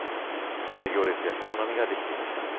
大行列や人の波ができていました。